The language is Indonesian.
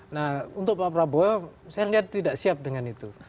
nah untuk pak prabowo saya lihat tidak siap dengan itu